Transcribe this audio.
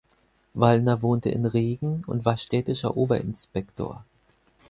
Wallner wohnte in Regen und war städtischer Oberinspektor.